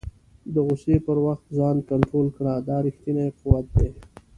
د غوسې پر وخت ځان کنټرول کړه، دا ریښتنی قوت دی.